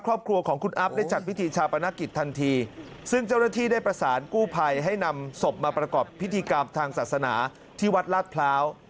ครอบครัวของคุณอัพได้จัดพิธีชาปนกิจทันทีซึ่งเจ้าหน้าที่ได้ประสานกู้ภัยให้นำศพมาประกอบพิธีกรรมทางศาสนาที่วัดลาดพร้าว